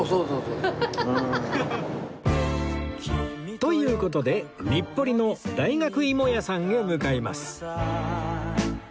という事で日暮里の大学芋屋さんへ向かいます